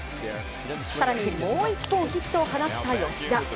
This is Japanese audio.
更に、もう１本ヒットを放った吉田。